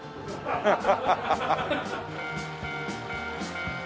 ハハハハ。